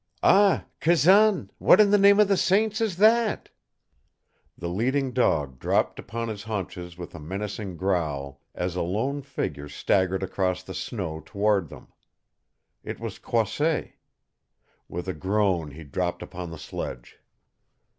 "Ah, Kazan, what in the name of the saints is that?" The leading dog dropped upon his haunches with a menacing growl as a lone figure staggered across the snow toward them. It was Croisset. With a groan, he dropped upon the sledge.